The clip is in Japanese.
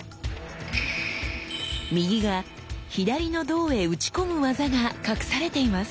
右が左の胴へ打ち込む技が隠されています！